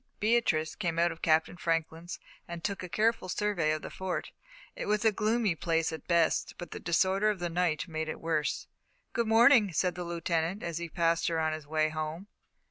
Beatrice came out of Captain Franklin's and took a careful survey of the Fort. It was a gloomy place at best, but the disorder of the night made it worse. "Good morning," said the Lieutenant, as he passed her on his way home.